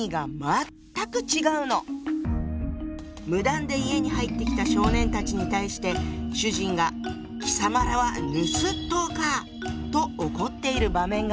無断で家に入ってきた少年たちに対して主人が「貴様等はぬすっとうか」と怒っている場面があるわ。